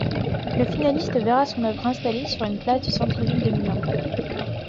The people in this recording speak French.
Le finaliste verra son œuvre installée sur une place du centre-ville de Milan.